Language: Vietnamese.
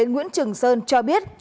nguyễn trường sơn cho biết